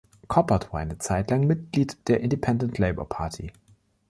Coppard war eine Zeit lang Mitglied der Independent Labour Party.